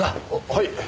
はい。